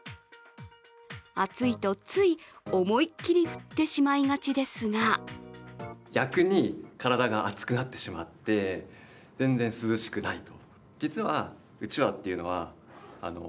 暑いと、つい思い切り振ってしまいがちですが逆に体が暑くなってしまって全然涼しくないと。